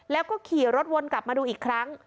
แล้วก็ขี่รถวนกลับมาดูอีกครั้ง